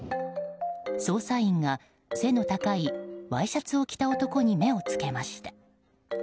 捜査員が背の高いワイシャツを着た男に目を付けました。